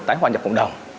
tái hoà nhập cộng đồng